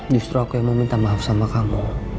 justru aku yang mau minta maaf sama kamu